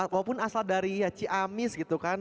walaupun asal dari ciamis gitu kan